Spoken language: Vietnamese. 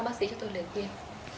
bác sĩ cho tôi lời khuyên